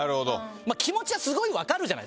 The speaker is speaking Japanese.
まあ気持ちはすごいわかるじゃないですか。